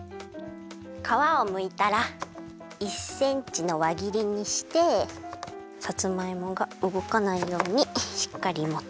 かわをむいたら１センチのわぎりにしてさつまいもがうごかないようにしっかりもって。